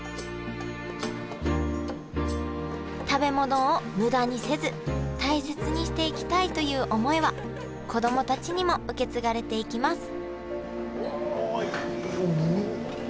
食べ物を無駄にせず大切にしていきたいという思いは子供たちにも受け継がれていきます